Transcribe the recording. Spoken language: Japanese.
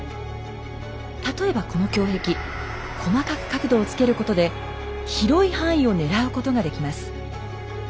例えばこの胸壁細かく角度をつけることで広い範囲を狙うことができます。